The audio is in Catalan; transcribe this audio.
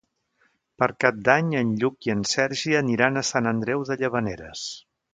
Per Cap d'Any en Lluc i en Sergi aniran a Sant Andreu de Llavaneres.